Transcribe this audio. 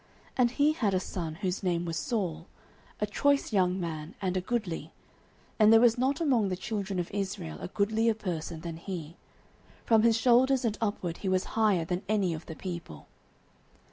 09:009:002 And he had a son, whose name was Saul, a choice young man, and a goodly: and there was not among the children of Israel a goodlier person than he: from his shoulders and upward he was higher than any of the people.